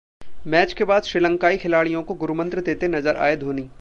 match के बाद श्रीलंकाई खिलाड़ियों को 'गुरुमंत्र' देते नज़र आए धोनी